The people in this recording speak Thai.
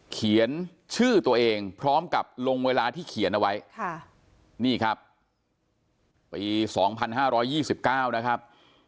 เขียนชื่อตัวเองพร้อมกับลงเวลาที่เขียนเอาไว้นี่ครับปี๒๕๒๙นะครับ